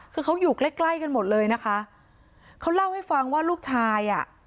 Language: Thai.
คือเขาอยู่ใกล้ใกล้กันหมดเลยนะคะเขาเล่าให้ฟังว่าลูกชายอ่ะ